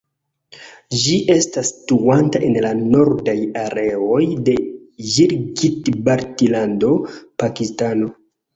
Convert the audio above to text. Ĝi estas situanta en la Nordaj Areoj de Gilgit-Baltilando, Pakistano.